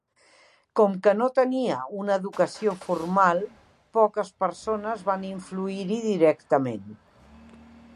Com que no tenia una educació formal, poques persones van influir-hi directament.